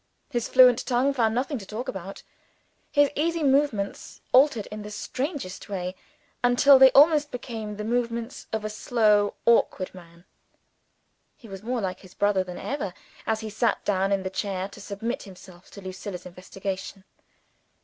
His fluent tongue found nothing to talk about. His easy movements altered in the strangest way, until they almost became the movements of a slow awkward man. He was more like his brother than ever, as he sat down in the chair to submit himself to Lucilla's investigation.